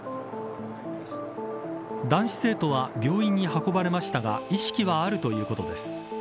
男子生徒は病院に運ばれましたが意識はあるということです。